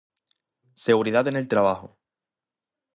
Seguridad en el trabajo